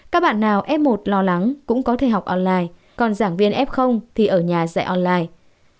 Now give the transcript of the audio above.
các bạn nào f một lo lắng cũng có thể học online còn giảng viên f thì ở nhà dạy online